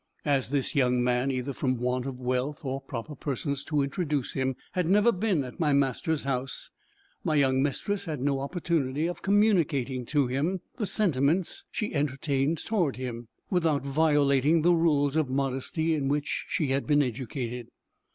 As this young man, either from want of wealth, or proper persons to introduce him, had never been at my master's house, my young mistress had no opportunity of communicating to him the sentiments she entertained towards him, without violating the rules of modesty in which she had been educated.